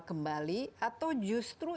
kembali atau justru